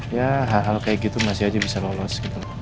ya hal hal kayak gitu masih aja bisa lolos gitu